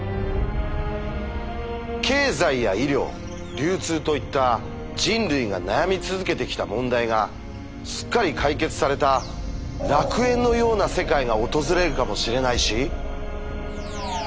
経済や医療流通といった人類が悩み続けてきた問題がすっかり解決された楽園のような世界が訪れるかもしれないし